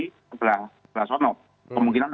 sebelah belakang kemungkinan